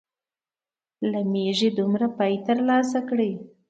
له مېږې دومره پۍ تر لاسه کړې.